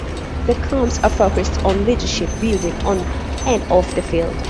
The camps are focused on leadership building "on and off the field".